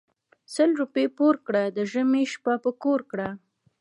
سل روپی پور کړه د ژمي شپه په کور کړه .